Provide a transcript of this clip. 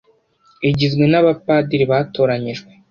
igizwe n abapadiri batoranyijwe